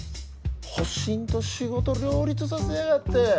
保身と仕事両立させやがって。